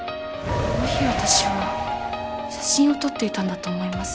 あの日私は写真を撮っていたんだと思います。